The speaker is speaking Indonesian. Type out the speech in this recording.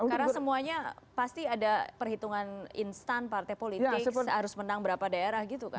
karena semuanya pasti ada perhitungan instan partai politik seharus menang berapa daerah gitu kan